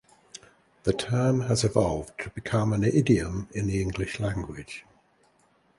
The term has evolved to become an idiom in the English language.